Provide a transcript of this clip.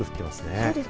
そうですね